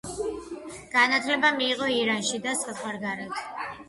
განათლება მიიღო ირანში და საზღვარგარეთ.